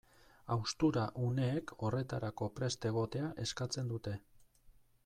Haustura uneek horretarako prest egotea eskatzen dute.